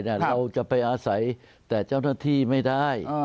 เราจะไปอาศัยแต่เจ้าหน้าที่ไม่ได้